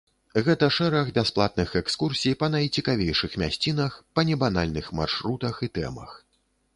Гэта шэраг бясплатных экскурсій па найцікавейшых мясцінах, па небанальных маршрутах і тэмах.